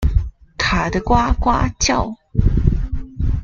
卡得呱呱叫